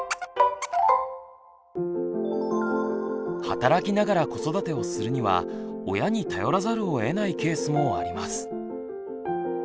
働きながら子育てをするには親に頼らざるを得ないケースもあります。